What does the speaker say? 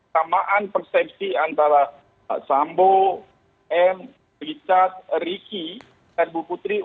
samaan persepsi antara sambo m richard ricky dan bu putri